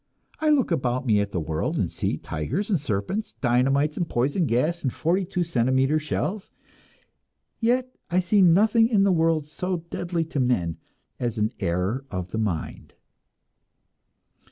I look about me at the world, and see tigers and serpents, dynamite and poison gas and forty two centimeter shells yet I see nothing in the world so deadly to men as an error of the mind.